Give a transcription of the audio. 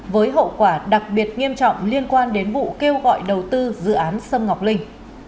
với hậu quả đặc biệt nghiêm trọng liên quan đến vụ kêu gọi đầu tư dự án sâm ngọc linh